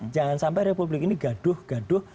jangan sampai republik ini gaduh gaduh